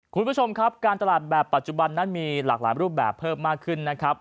คุณผู้ชมครับการตลาดแบบปัจจุบันนั้นมีหลากหลายรูปแบบเพิ่มมากขึ้นนะครับ